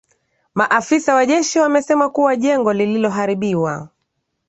maafisa wa jeshi wamesema kuwa jengo lililoharibiwa